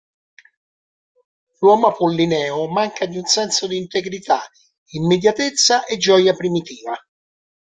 L'uomo Apollineo manca di un senso di integrità, immediatezza e gioia primitiva.